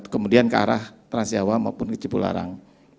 kemudian ke arah trans jawa maupun cipularang